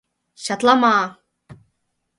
Чатлама!